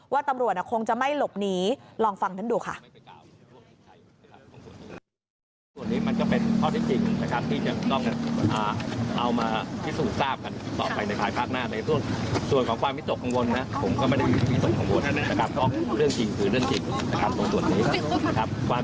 ตำรวจคงจะไม่หลบหนีลองฟังท่านดูค่ะ